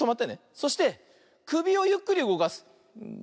そしてくびをゆっくりうごかす。